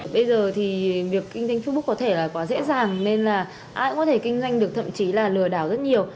bây giờ thì việc kinh doanh facebook có thể là quá dễ dàng nên là ai cũng có thể kinh doanh được thậm chí là lừa đảo rất nhiều